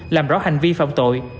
làm rõ hành vi phòng tội